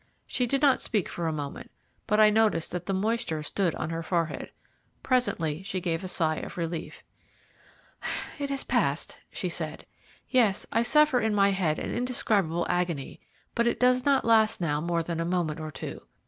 She did not speak for a moment, but I noticed that the moisture stood on her forehead. Presently she gave a sigh of relief. "It has passed," she said. "Yes, I suffer in my head an indescribable agony, but it does not last now more than a moment or two.